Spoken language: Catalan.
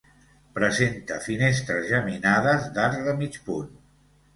Presenta finestres geminades d'arc de mig punt.